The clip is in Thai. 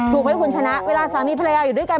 ถูกไหมคุณชนะเวลาสามีภรรยาอยู่ด้วยกัน